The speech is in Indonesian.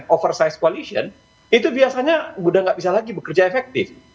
oversize coalition itu biasanya udah nggak bisa lagi bekerja efektif